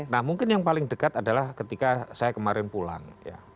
nah mungkin yang paling dekat adalah ketika saya kemarin pulang ya